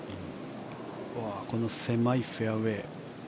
この狭いフェアウェー。